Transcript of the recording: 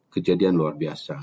kejadian luar biasa